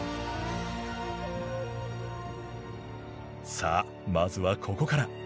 さあまずはここから。